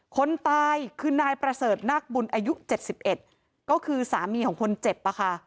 คนตายคือนายประเสริฐนักบุญอายุเจ็ดสิบเอ็ดก็คือสามีของคนเจ็บป่ะค่ะ